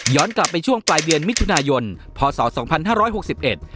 ย้อนกลับไปช่วงปลายเดือนมิถุนายนพศ๒๕๖๑